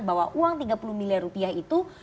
bahwa uang tiga puluh miliar rupiah itu